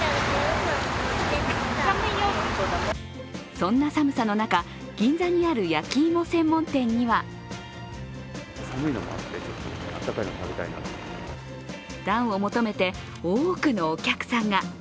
そんな寒さの中、銀座にある焼き芋専門店には暖を求めて多くのお客さんが。